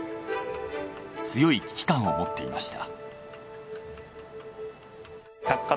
強い危機感を持っていました。